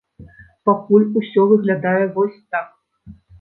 Пакуль усё выглядае вось так.